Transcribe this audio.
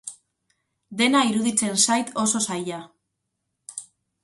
Dena iruditzen zait oso zaila.